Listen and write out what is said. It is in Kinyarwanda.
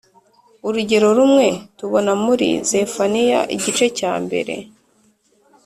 urugero rumwe tubona muri Zefaniya igice cya mbre